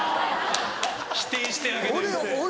否定してあげない。